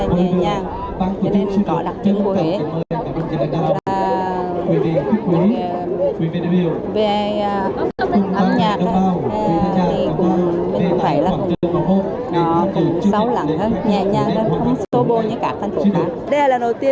nhưng mà nếu mà có những cái phố đi bộ